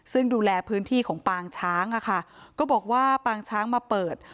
ซึ่งดูแลพื้นที่ของปางช้างอะค่ะก็บอกว่าปางช้างมาเปิด